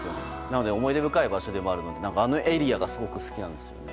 なので思い出深い場所でもあるのであのエリアがすごく好きなんですよね。